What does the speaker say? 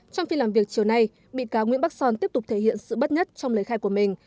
trong phiên làm việc chiều nay bị cáo nguyễn bắc son tiếp tục thể hiện sự bất nhất trong lời khai của mình